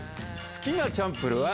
好きなチャンプルーは。